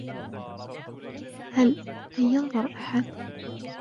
هل أى ينظر أحد؟